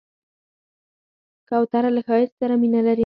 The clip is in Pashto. کوتره له ښایست سره مینه لري.